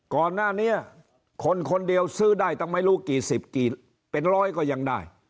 ก่อนหน้านี้คนคนเดียวซื้อได้ตั้งไม่รู้กี่สิบกี่เป็นร้อยก็ยังได้